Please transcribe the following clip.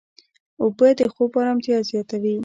اوبه د خوب ارامتیا زیاتوي.